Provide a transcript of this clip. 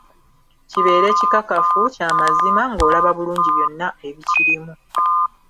Kibeere kikakafu, kya mazima, ng'olaba bulungi byonna ebikirimu.